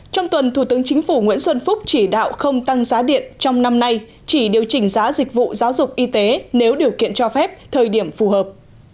trong tuần thủ tướng chính phủ nguyễn xuân phúc chỉ đạo không tăng giá điện trong năm nay chỉ điều chỉnh giá dịch vụ giáo dục y tế nếu điều kiện cho phép thời điểm phù hợp